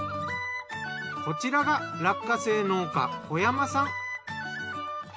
こちらが落花生農家小山さん。